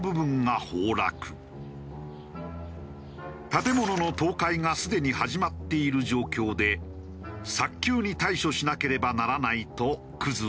建物の倒壊がすでに始まっている状況で早急に対処しなければならないと生氏は言う。